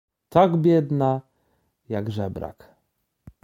— Tak biedna, jak żebrak?